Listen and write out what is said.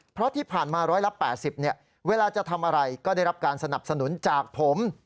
เพราะที่ผ่านมา๑๘๐เวลาจะทำอะไรก็ได้รับการสนับสนุนจากผม